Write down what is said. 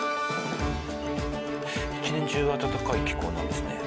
１年中暖かい気候なんですね。